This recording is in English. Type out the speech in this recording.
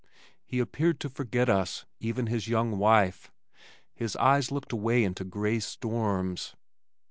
He appeared to forget us, even his young wife. His eyes looked away into gray storms.